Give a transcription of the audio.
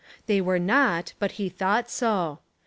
They were not; but he thought so.